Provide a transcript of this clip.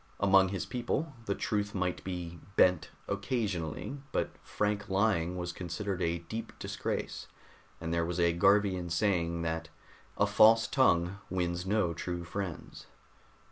Among his people, the truth might be bent occasionally, but frank lying was considered a deep disgrace, and there was a Garvian saying that "a false tongue wins no true friends."